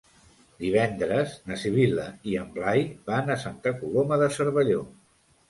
Divendres na Sibil·la i en Blai van a Santa Coloma de Cervelló.